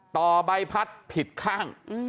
ตอบัยพัฒน์ผิดข้าง